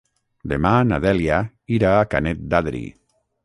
Demà na Dèlia irà a Canet d'Adri.